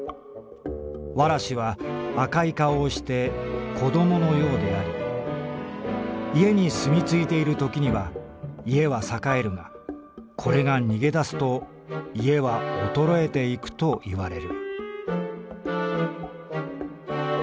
童子は赤い顔をして子供のようであり家に住みついている時には家は栄えるがこれが逃げ出すと家は衰えてゆくといわれる」。